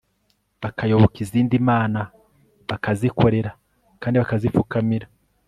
bakayoboka izindi mana, bakazikorera kandi bakazipfukamira